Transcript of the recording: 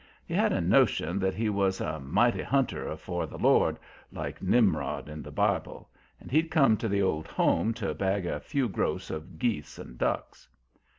He had a notion that he was a mighty hunter afore the Lord, like Nimrod in the Bible, and he'd come to the Old Home to bag a few gross of geese and ducks.